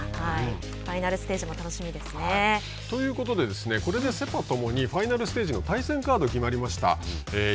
ファイナルステージも楽しみですということで、これでセパ共にファイナルステージの対戦カードが決まりました。